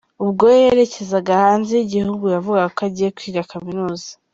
Ubwo yerekezaga hanze y’igihugu yavugaga ko agiye kwiga Kaminuza.